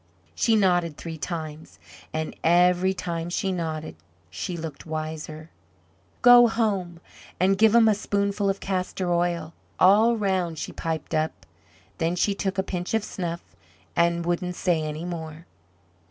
She nodded three times, and every time she nodded she looked wiser. "Go home, and give 'em a spoonful of castor oil, all 'round," she piped up; then she took a pinch of snuff, and wouldn't say any more.